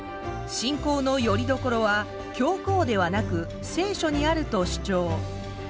信仰のよりどころは教皇ではなく聖書にあると主張。